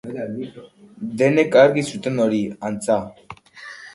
Haren etxean ikusitako argazkia ekarri zuen gogora Galderrek.